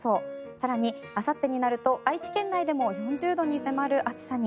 更にあさってになると愛知県内でも４０度に迫る暑さに。